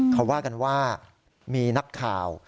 เขาว่ากันว่ามีนักข่าว